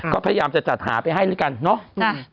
ก็พยายามจะจัดหาไปให้ด้วยกันเนาะ